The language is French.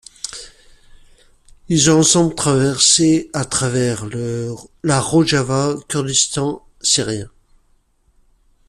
Ils ont ensemble traversé à travers la Rojava, Kurdistan syrien.